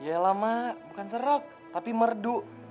yelah mak bukan serok tapi merdu